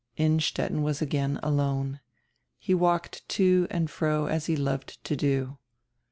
Innstetten was again alone. He walked to and fro as he loved to do.